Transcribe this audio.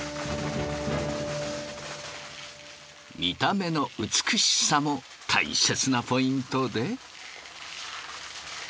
見た目の美しさも大切なポイントで。